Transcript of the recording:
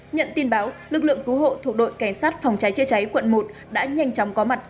nhận tin báo lực lượng cứu hộ thuộc đội cảnh sát phòng cháy chữa cháy quận một đã nhanh chóng có mặt